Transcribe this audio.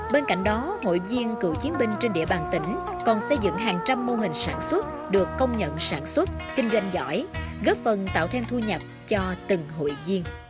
bên cạnh đó hội viên cựu chiến binh trên địa bàn tỉnh còn xây dựng hàng trăm mô hình sản xuất được công nhận sản xuất kinh doanh giỏi góp phần tạo thêm thu nhập cho từng hội viên